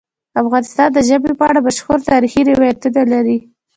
افغانستان د ژبې په اړه مشهور تاریخی روایتونه لري.